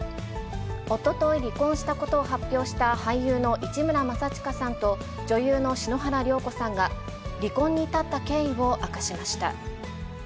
おととい離婚したことを発表した俳優の市村正親さんと、女優の篠原涼子さんが、離婚に至った経緯を明かしました。